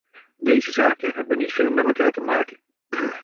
Deze zaken hebben niet veel met elkaar te maken.